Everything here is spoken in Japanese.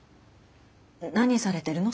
何されてるの？